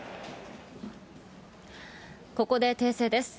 ここで訂正です。